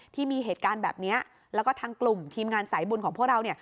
ที่มีเหตุการณ์แบบนี้แล้วก็ทางกลุ่มทีมงานสายบุญของพวกเราเนี่ย